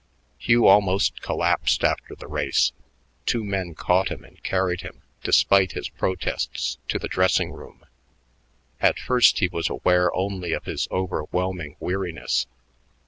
Hugh almost collapsed after the race. Two men caught him and carried him, despite his protests, to the dressing room. At first he was aware only of his overwhelming weariness.